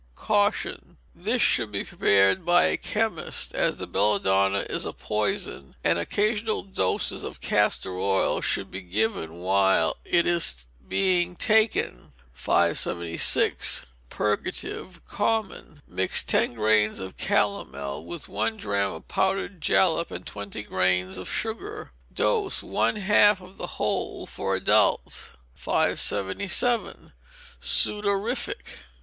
Caution, this should be prepared by a chemist, as the belladonna is a poison, and occasional doses of castor oil should be given while it is being taken. 576. Purgative (Common). Mix ten grains of calomel, with one drachm of powdered jalap, and twenty grains of sugar. Dose, one half of the whole for adults. 577. Sudorific.